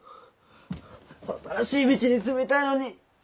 新しい道に進みたいのに。